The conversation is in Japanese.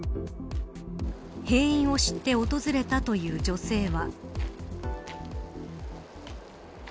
閉院を知って訪れたという女性は。